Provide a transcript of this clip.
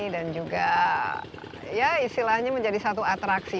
dan juga ya istilahnya menjadi satu atraksi